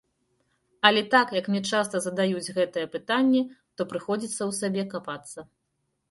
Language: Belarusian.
Але так як мне часта задаюць гэтае пытанне, то прыходзіцца ў сабе капацца.